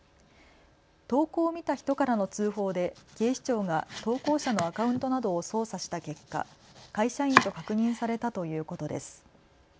投稿を見た人からの通報で警視庁が投稿者のアカウントなどを捜査した結果、会社員と確認されたということです。